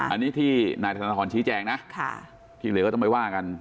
อันนี้ที่นายธนทรชี้แจงนะที่เหลือก็ต้องไปว่ากัน